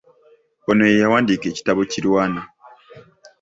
Ono ye yawandiika ekitabo Kirwana.